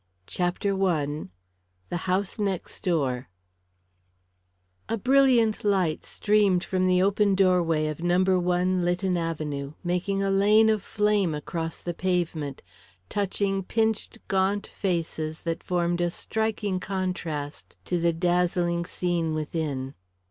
CHAPTER I THE HOUSE NEXT DOOR A brilliant light streamed from the open doorway of No. 1, Lytton Avenue, making a lane of flame across the pavement, touching pinched gaunt faces that formed a striking contrast to the dazzling scene within.